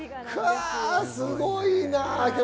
すごいな。